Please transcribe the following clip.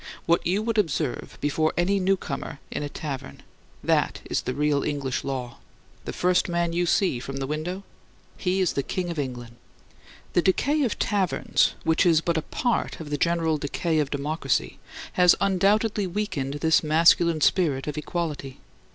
What you would observe before any newcomer in a tavern that is the real English law. The first man you see from the window, he is the King of England. The decay of taverns, which is but a part of the general decay of democracy, has undoubtedly weakened this masculine spirit of equality.